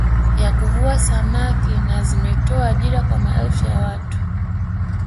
Ya kuvua saamki na zimetoa ajira kwa maelfu ya watu